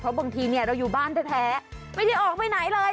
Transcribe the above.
เพราะบางทีเราอยู่บ้านแท้ไม่ได้ออกไปไหนเลย